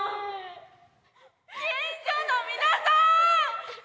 近所の皆さん！